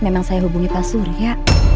memang saya hubungi pak surya